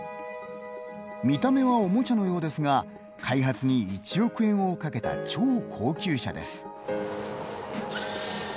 見た目はおもちゃのようですが開発に１億円をかけた超高級車です。